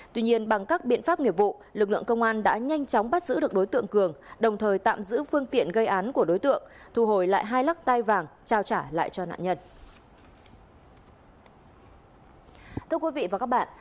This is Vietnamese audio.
tuy nhiên bằng các biện pháp nghiệp vụ lực lượng công an đã nhanh chóng bắt giữ được đối tượng cường đồng thời tạm giữ phương tiện gây án của đối tượng thu hồi lại hai lắc tay vàng trao trả lại cho nạn nhân